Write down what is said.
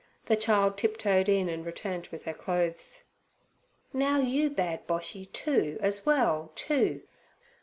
The child tiptoed in and returned with her clothes. 'Now you bad Boshy, too, as well, too.